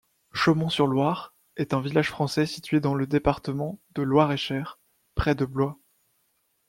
Chaumont-sur-Loire est un village français situé dans le département de Loir-et-Cher, près de Blois.